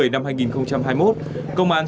năm hai nghìn hai mươi một công an